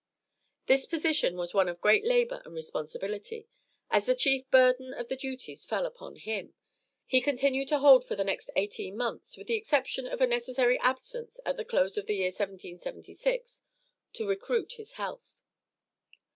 This position was one of great labor and responsibility, as the chief burden of the duties fell upon him, he continued to hold for the next eighteen months, with the exception of a necessary absence at the close of the year 1776, to recruit his health.